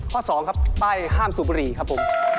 ๒ครับป้ายห้ามสูบบุรีครับผม